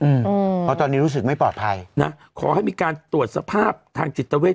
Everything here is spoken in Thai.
เพราะตอนนี้รู้สึกไม่ปลอดภัยนะขอให้มีการตรวจสภาพทางจิตเวท